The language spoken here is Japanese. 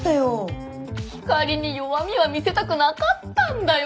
ひかりに弱みは見せたくなかったんだよ